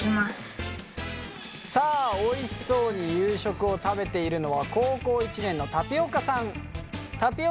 さあおいしそうに夕食を食べているのは高校１年のたぴおかさん。